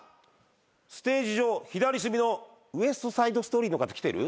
ステージ上左隅の『ウエスト・サイド・ストーリー』の方来てる？